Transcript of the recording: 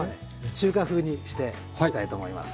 中華風にしていきたいと思います。